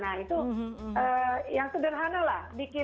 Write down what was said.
nah itu yang sederhana lah